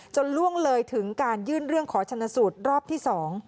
ล่วงเลยถึงการยื่นเรื่องขอชนสูตรรอบที่๒